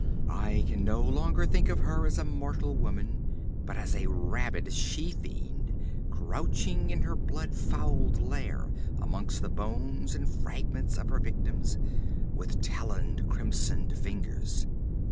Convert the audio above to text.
'I can no longer think of her as a mortal woman, but as a rabid she fiend, crouching in her blood fouled lair amongst the bones and fragments of her victims, with taloned, crimsoned fingers.